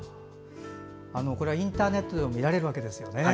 これはインターネットでも見られるわけですよね。